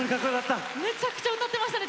めちゃくちゃ歌ってましたね